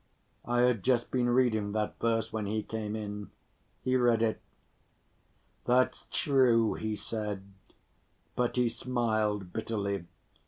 I had just been reading that verse when he came in. He read it. "That's true," he said, but he smiled bitterly.